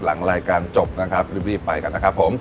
หลังรายการจบดีไปกันนะครับ